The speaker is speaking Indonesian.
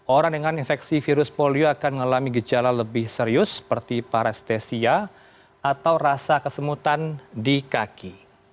orang dengan infeksi virus polio akan mengalami gejala lebih serius seperti parestesia atau rasa kesemutan di kaki